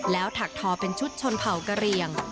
แล้วถักทอเป็นชุดชนเผ่ากะเรียง